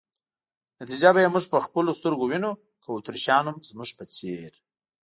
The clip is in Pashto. نتیجه به یې موږ په خپلو سترګو وینو، که اتریشیان هم زموږ په څېر.